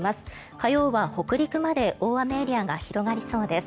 火曜は北陸まで大雨エリアが広がりそうです。